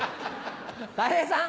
たい平さん。